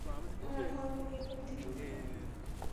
তারা ধড়মড়িয়ে ঘুম থেকে উঠল।